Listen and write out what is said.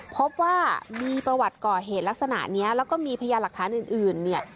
พบว่ามีประวัติก่อเหตุลักษณะนี้แล้วก็มีพยานหลักฐานอื่นเนี่ย